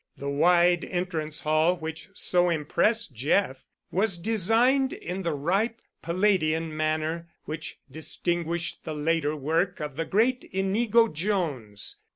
The wide entrance hall which so impressed Jeff was designed in the ripe Palladian manner which distinguished the later work of the great Inigo Jones.